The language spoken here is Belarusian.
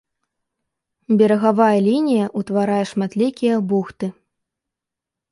Берагавая лінія ўтварае шматлікія бухты.